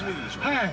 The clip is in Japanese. ◆はい。